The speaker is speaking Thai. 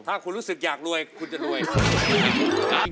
ถ้าคุณรู้สึกอยากรวยคุณจะรวย